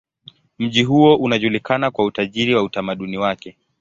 Mji huo unajulikana kwa utajiri wa utamaduni wake.